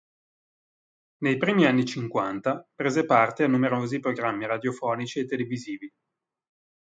Nei primi anni cinquanta, prese parte a numerosi programmi radiofonici e televisivi.